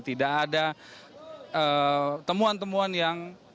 tidak ada temuan temuan yang